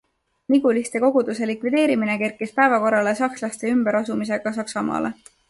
Niguliste koguduse likvideerimine kerkis päevakorrale sakslaste ümberasumisega Saksamaale.